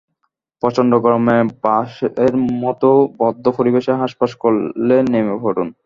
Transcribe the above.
প্রচণ্ড গরমে বাসের মতো বদ্ধ পরিবেশে হাঁসফাঁস করলে নেমে পড়ুন।